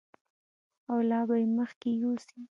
او لا به یې مخکې یوسي.